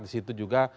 di situ juga